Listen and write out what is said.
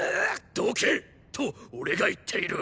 どけ！と俺が言っている。